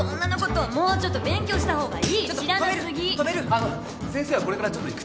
あの先生はこれからちょっと行くとこが。